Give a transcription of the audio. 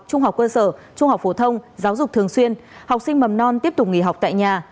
trung học cơ sở trung học phổ thông giáo dục thường xuyên học sinh mầm non tiếp tục nghỉ học tại nhà